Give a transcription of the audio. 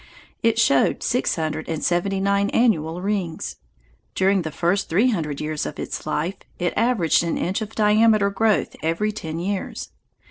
It showed six hundred and seventy nine annual rings. During the first three hundred years of its life it averaged an inch of diameter growth every ten years.